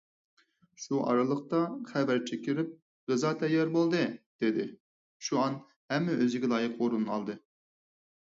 شۇ ئارىلىقتا خەۋەرچى كىرىپ: «غىزا تەييار بولدى» دېدى. شۇئان ھەممە ئۆزىگە لايىق ئورۇن ئالدى.